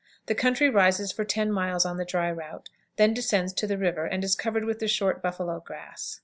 The country rises for ten miles on the dry route, then descends to the river, and is covered with the short buffalo grass.